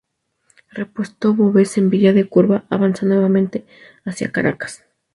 Repuesto Boves en Villa de Cura, avanza nuevamente hacia Caracas.